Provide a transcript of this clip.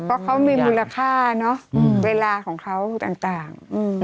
เพราะเขามีมูลค่าเนอะเวลาของเขาต่าง